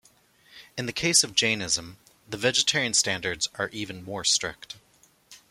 In the case of Jainism, the vegetarian standards are even more strict.